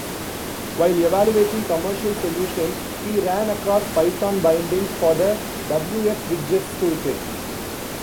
While evaluating commercial solutions, he ran across Python bindings for the wxWidgets toolkit.